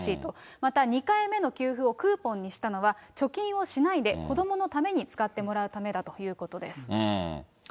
また２回目の給付をクーポンにしたのは、貯金をしないで、子どものために使ってもらうためだということです。